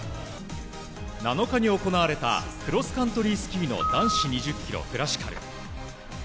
７日に行われたクロスカントリースキーの男子２０ｋｍクラシカル。